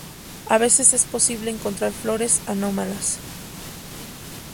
A veces es posible encontrar flores anómalas.